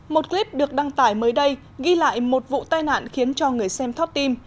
một clip được đăng tải mới đây ghi lại một vụ tai nạn khiến cho người xem thoát tim